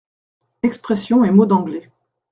Expressions et mots d’anglais.